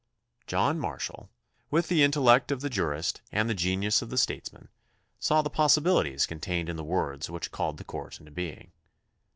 John Marshall, with the intellect of the jurist and the genius of the statesman, saw the possibilities contained in the words which called the court into being.